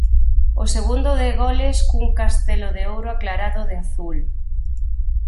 O segundo de goles cun castelo de ouro aclarado de azul.